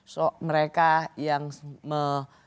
so mereka yang melakukan